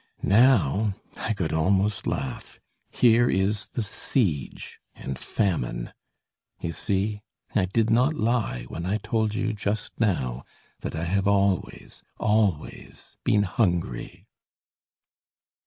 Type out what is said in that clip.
Now, I could almost laugh here is the siege and famine! You see, I did not lie, when I told you, just now that I have always, always, been hungry!"